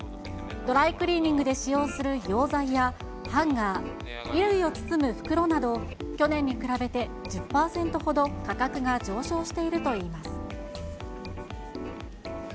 ドライクリーニングで使用する溶剤や、ハンガー、衣類を包む袋など、去年に比べて１０％ほど価格が上昇しているといいます。